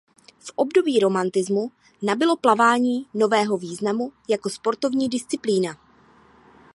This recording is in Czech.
V období romantismu nabylo plavání nového významu jako sportovní disciplína.